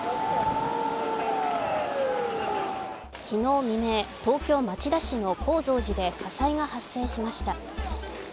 昨日未明、東京・町田市の高蔵寺で火災が発生しました。